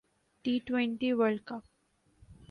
T twenty world ک